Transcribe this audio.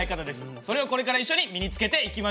それをこれから一緒に身につけていきましょう。